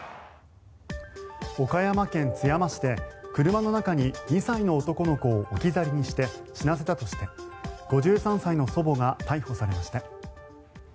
岡山県津山市で車の中に２歳の男の子を置き去りにして死なせたとして５３歳の祖母が逮捕されました。